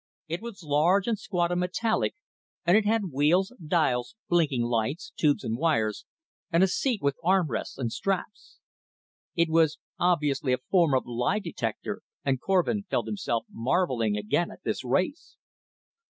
It was large and squat and metallic, and it had wheels, dials, blinking lights, tubes and wires, and a seat with armrests and straps. It was obviously a form of lie detector and Korvin felt himself marveling again at this race.